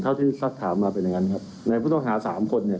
เท่าที่สักถามมาเป็นอย่างนั้นครับในผู้ต้องหาสามคนเนี่ย